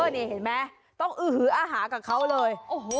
นี่เห็นไหมต้องอื้อหืออาหารกับเขาเลย